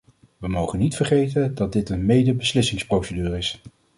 We mogen niet vergeten dat dit een medebeslissingsprocedure is.